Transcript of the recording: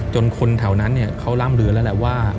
จนคนแถวนั้นเนี่ยเขาร่ำเหลือแล้วแหละว่า